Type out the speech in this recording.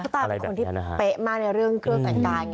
ตัวตายเป็นคนที่เป๊ะมากในเรื่องเครื่องสังการ